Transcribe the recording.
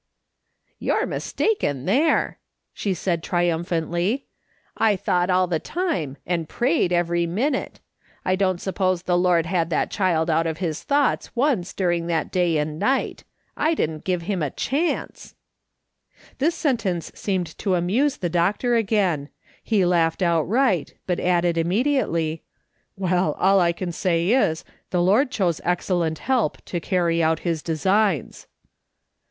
" You're mistaken there !" she said triumphantly. LUMPS OF CLAY. 225 " I thought all the time and I prayed every minute. I don't suppose the Lord had that child out of his thoughts once during that day and night. I didn't give him a chance !" This sentence seemed to amuse the doctor again. He laughed outright, but added immediately :" Well, all I can say is, the Lord chose excellent help to carry out his designs."